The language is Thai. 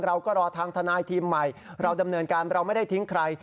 เราก็รอทางทนายทีมใหม่เราดำเนินการเราไม่ได้ทิ้งใคร